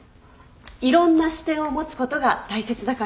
いろんな視点を持つことが大切だから。